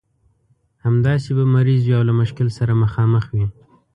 همداسې به مریض وي او له مشکل سره مخامخ وي.